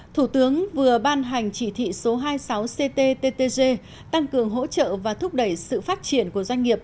thủ tướng vừa ban hành chỉ thị số hai mươi sáu cttg tăng cường hỗ trợ và thúc đẩy sự phát triển của doanh nghiệp